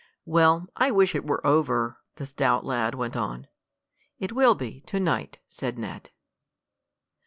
"Well, I wish it were over," the stout lad went on. "It will be, to night," said Ned.